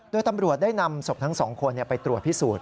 โดยตำรวจได้นำศพทั้ง๒คนไปตรวจพิสูจน์